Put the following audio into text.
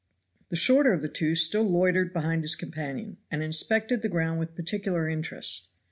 The shorter of the two still loitered behind his companion, and inspected the ground with particular interest.